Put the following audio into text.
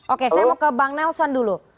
oke saya mau ke bang nelson dulu